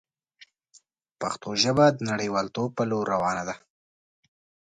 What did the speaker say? پښتو ژبه د نړیوالتوب په لور روانه ده.